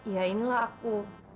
ya inilah aku